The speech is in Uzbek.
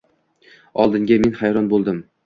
Oldiniga men hayron boʻldim.